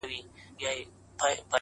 زه خو یارانو نامعلوم آدرس ته ودرېدم !